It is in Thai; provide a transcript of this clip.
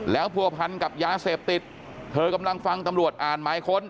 แล้วผัวพันกับยาเสพติดเธอกำลังฟังตำรวจอ่านหมายค้น